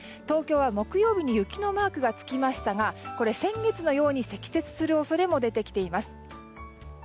東京は木曜日に雪のマークがつきましたが先月のように積雪する恐れも出てきます。